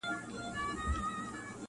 ما خو دا نه ویل شینکی آسمانه-